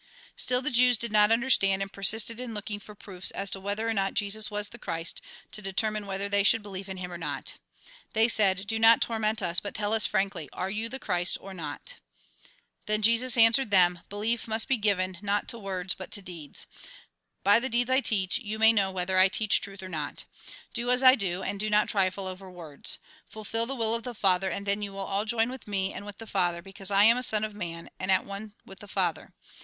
Still the Jews did not understand, and persisted in looking for proofs as to whether or not Jesus was the Christ, to determine whether they should believe in him or not. They said :" Do not torment us, but tell us frankly, are you the Christ, or not ?" Then Jesus answered them :" Belief must be given, not to words, but to deeds. By the deeds I teach you may know whether I teach truth or not. Do as I do, and do not trifle over words. Fulfil the will of the Father, and then you will all join with me and with the Father, because I am a Son of Man, and at one with the Father.